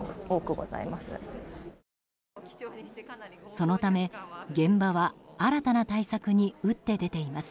そのため現場は新たな対策に打って出ています。